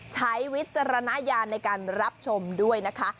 วิจารณญาณในการรับชมด้วยนะคะ